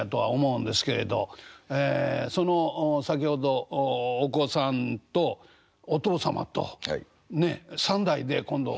その先ほどお子さんとお父様とねっ３代で今度おやりになるんですか？